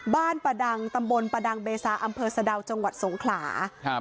ประดังตำบลประดังเบซาอำเภอสะดาวจังหวัดสงขลาครับ